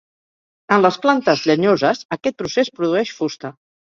En les plantes llenyoses aquest procés produeix fusta.